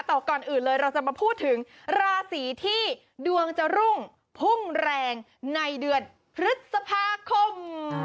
แต่ก่อนอื่นเลยเราจะมาพูดถึงราศีที่ดวงจะรุ่งพุ่งแรงในเดือนพฤษภาคม